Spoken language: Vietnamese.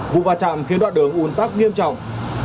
vụ va chạm khiến đoạn đường ủn tắc nghiêm trọng